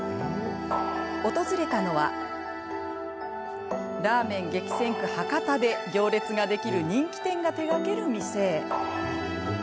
訪れたのはラーメン激戦区、博多で行列ができる人気店が手がける店。